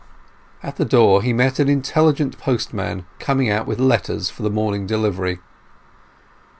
At the door he met an intelligent postman coming out with letters for the morning delivery.